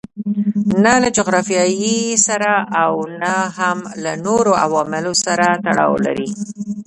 نه له جغرافیې سره او نه هم له نورو عواملو سره تړاو لري.